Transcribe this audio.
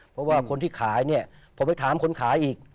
เพราะว่าคนที่ขายเนี่ยพอไปถามคนขายอีก